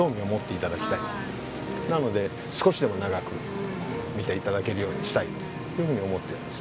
なので少しでも長く見て頂けるようにしたいというふうに思っています。